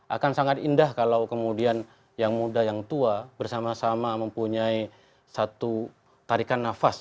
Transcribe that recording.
akan sangat indah kalau kemudian yang muda yang tua bersama sama mempunyai satu tarikan nafas